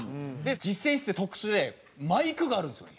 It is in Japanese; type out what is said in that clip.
実践室って特殊でマイクがあるんですよね。